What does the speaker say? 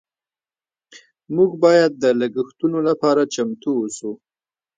موږ باید د لګښتونو لپاره چمتو اوسو.